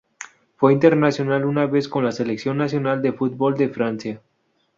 Fue internacional una vez con la Selección nacional de fútbol de Francia.